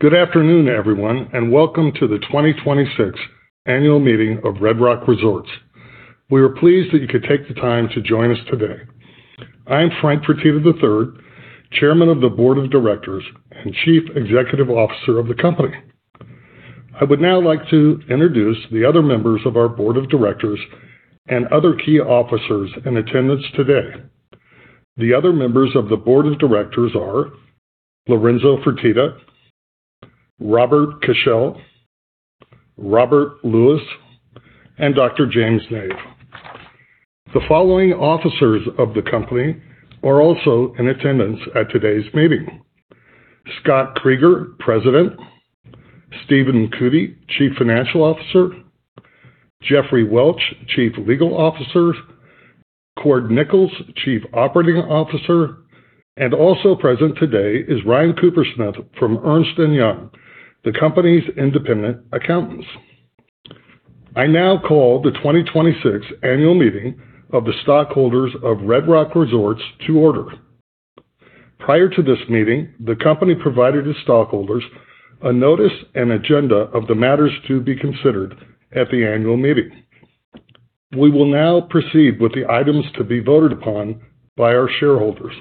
Good afternoon, everyone, welcome to the 2026 annual meeting of Red Rock Resorts. We are pleased that you could take the time to join us today. I am Frank Fertitta III, Chairman of the Board of Directors and Chief Executive Officer of the company. I would now like to introduce the other members of our Board of Directors and other key officers in attendance today. The other members of the Board of Directors are Lorenzo Fertitta, Robert Cashell, Robert Lewis, and Dr. James Nave. The following officers of the company are also in attendance at today's meeting. Scott Kreeger, President, Stephen Cootey, Chief Financial Officer, Jeffrey Welch, Chief Legal Officer, Kord Nichols, Chief Operating Officer, and also present today is Ryan Coopersmith from Ernst & Young, the company's independent accountants. I now call the 2026 annual meeting of the stockholders of Red Rock Resorts to order. Prior to this meeting, the company provided its stockholders a notice and agenda of the matters to be considered at the annual meeting. We will now proceed with the items to be voted upon by our shareholders.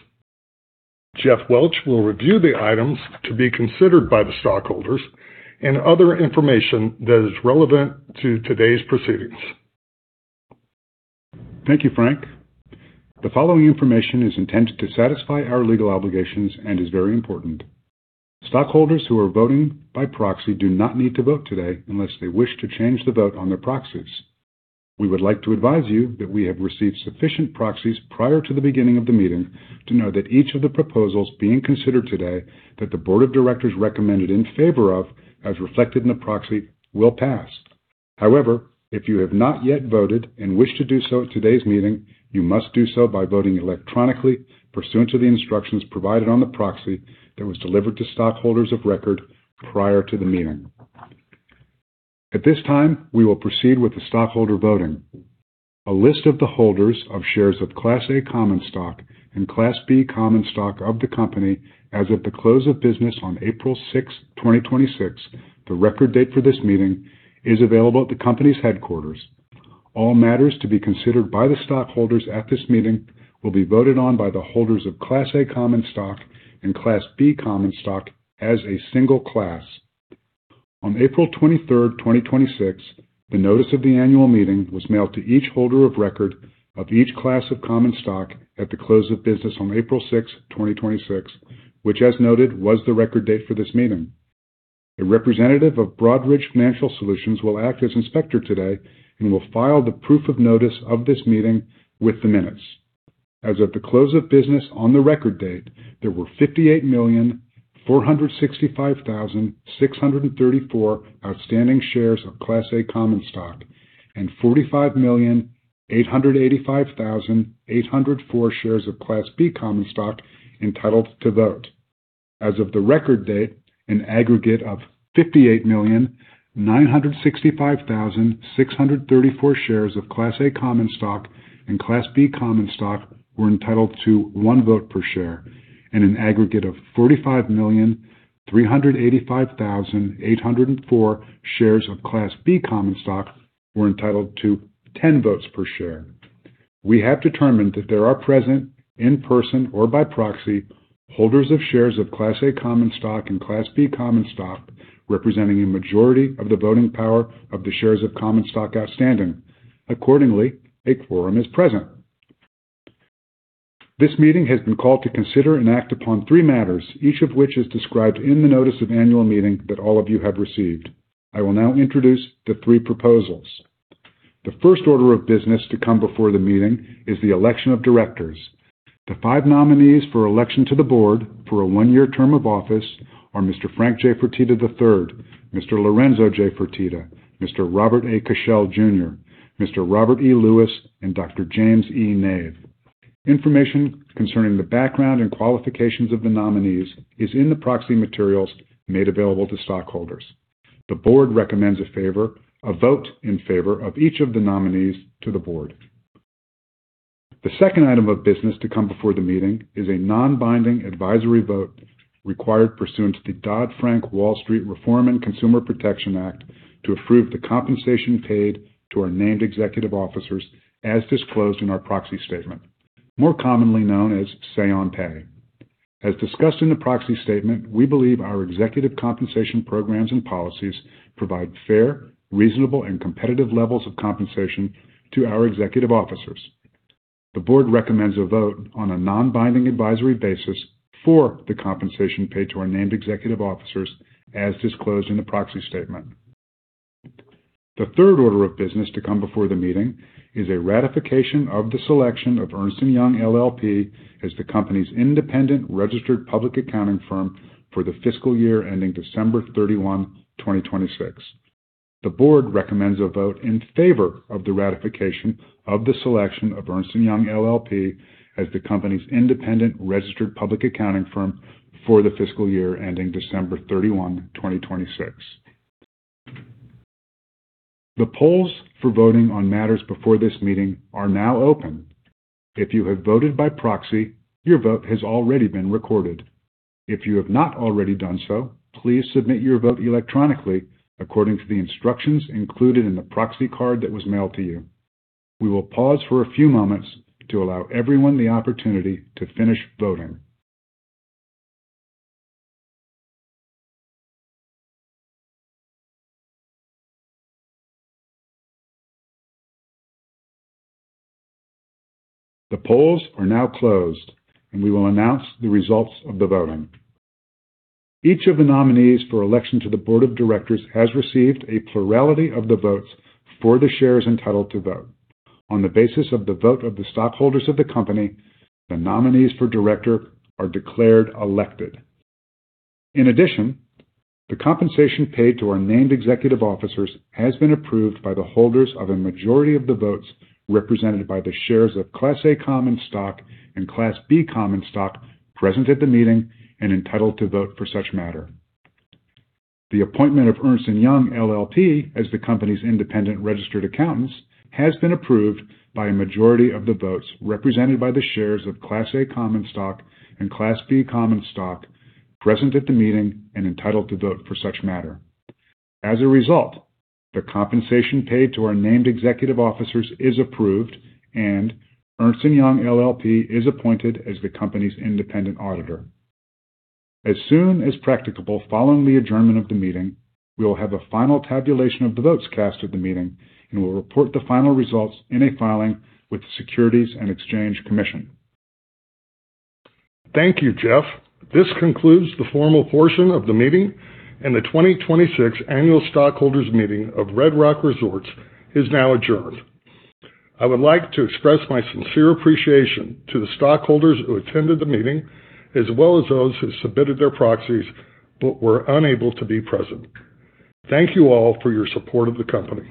Jeff Welch will review the items to be considered by the stockholders and other information that is relevant to today's proceedings. Thank you, Frank. The following information is intended to satisfy our legal obligations and is very important. Stockholders who are voting by proxy do not need to vote today unless they wish to change the vote on their proxies. We would like to advise you that we have received sufficient proxies prior to the beginning of the meeting to know that each of the proposals being considered today that the board of directors recommended in favor of as reflected in the proxy will pass. However, if you have not yet voted and wish to do so at today's meeting, you must do so by voting electronically pursuant to the instructions provided on the proxy that was delivered to stockholders of record prior to the meeting. At this time, we will proceed with the stockholder voting. A list of the holders of shares of Class A common stock and Class B common stock of the company as of the close of business on April 6th, 2026, the record date for this meeting, is available at the company's headquarters. All matters to be considered by the stockholders at this meeting will be voted on by the holders of Class A common stock and Class B common stock as a single class. On April 23rd, 2026, the notice of the annual meeting was mailed to each holder of record of each class of common stock at the close of business on April 6th, 2026, which, as noted, was the record date for this meeting. A representative of Broadridge Financial Solutions will act as inspector today and will file the proof of notice of this meeting with the minutes. As of the close of business on the record date, there were 58,465,634 outstanding shares of Class A common stock and 45,885,804 shares of Class B common stock entitled to vote. As of the record date, an aggregate of 58,965,634 shares of Class A common stock and Class B common stock were entitled to one vote per share, and an aggregate of 45,385,804 shares of Class B common stock were entitled to 10 votes per share. We have determined that there are present in person or by proxy holders of shares of Class A common stock and Class B common stock representing a majority of the voting power of the shares of common stock outstanding. Accordingly, a quorum is present. This meeting has been called to consider and act upon three matters, each of which is described in the notice of annual meeting that all of you have received. I will now introduce the three proposals. The first order of business to come before the meeting is the election of directors. The five nominees for election to the board for a one-year term of office are Mr. Frank J. Fertitta III, Mr. Lorenzo J. Fertitta, Mr. Robert A. Cashell, Jr., Mr. Robert E. Lewis, and Dr. James E. Nave. Information concerning the background and qualifications of the nominees is in the proxy materials made available to stockholders. The board recommends a vote in favor of each of the nominees to the board. The second item of business to come before the meeting is a non-binding advisory vote required pursuant to the Dodd-Frank Wall Street Reform and Consumer Protection Act to approve the compensation paid to our named executive officers as disclosed in our proxy statement, more commonly known as say on pay. As discussed in the proxy statement, we believe our executive compensation programs and policies provide fair, reasonable, and competitive levels of compensation to our executive officers. The board recommends a vote on a non-binding advisory basis for the compensation paid to our named executive officers, as disclosed in the proxy statement. The third order of business to come before the meeting is a ratification of the selection of Ernst & Young LLP as the company's independent registered public accounting firm for the fiscal year ending December 31, 2026. The board recommends a vote in favor of the ratification of the selection of Ernst & Young LLP as the company's independent registered public accounting firm for the fiscal year ending December 31, 2026. The polls for voting on matters before this meeting are now open. If you have voted by proxy, your vote has already been recorded. If you have not already done so, please submit your vote electronically according to the instructions included in the proxy card that was mailed to you. We will pause for a few moments to allow everyone the opportunity to finish voting. The polls are now closed, and we will announce the results of the voting. Each of the nominees for election to the board of directors has received a plurality of the votes for the shares entitled to vote. On the basis of the vote of the stockholders of the company, the nominees for director are declared elected. In addition, the compensation paid to our named executive officers has been approved by the holders of a majority of the votes represented by the shares of Class A common stock and Class B common stock present at the meeting and entitled to vote for such matter. The appointment of Ernst & Young LLP as the company's independent registered accountants has been approved by a majority of the votes represented by the shares of Class A common stock and Class B common stock present at the meeting and entitled to vote for such matter. As a result, the compensation paid to our named executive officers is approved, and Ernst & Young LLP is appointed as the company's independent auditor. As soon as practicable following the adjournment of the meeting, we will have a final tabulation of the votes cast at the meeting and will report the final results in a filing with the Securities and Exchange Commission. Thank you, Jeff. This concludes the formal portion of the meeting, and the 2026 Annual Stockholders' Meeting of Red Rock Resorts is now adjourned. I would like to express my sincere appreciation to the stockholders who attended the meeting, as well as those who submitted their proxies but were unable to be present. Thank you all for your support of the company.